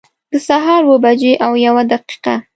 د سهار اوه بجي او یوه دقيقه